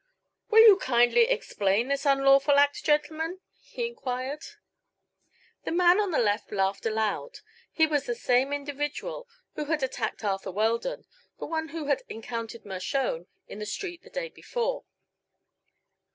"Will you kindly explain this unlawful act, gentlemen?" he enquired. The man on the left laughed aloud. He was the same individual who had attacked Arthur Weldon, the one who had encountered Mershone in the street the day before.